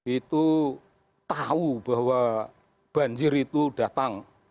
itu tahu bahwa banjir itu datang